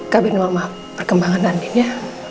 kabin mama perkembangan andin ya